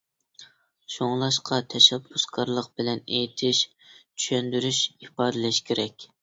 شۇڭلاشقا، تەشەببۇسكارلىق بىلەن ئېيتىش، چۈشەندۈرۈش، ئىپادىلەش كېرەك.